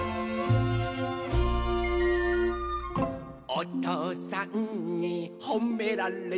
「おとうさんにほめられちゃった」